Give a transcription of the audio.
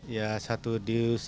ya satu dusan